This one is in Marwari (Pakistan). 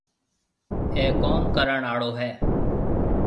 اَي ڪوم ڪرڻ آݪو هيَ۔